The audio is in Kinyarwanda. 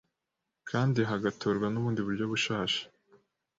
kandi hagatorwa n'ubundi buryo bushasha.